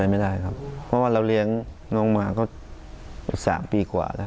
เมื่อวันเราเลี้ยงน้องหมาก็๓ปีกว่าแล้ว